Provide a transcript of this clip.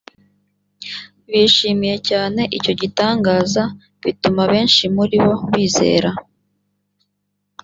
bishimiye cyane icyo gitangaza bituma benshi muri bo bizera